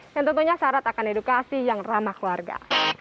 yang tentunya syarat akan edukasi yang ramah keluarga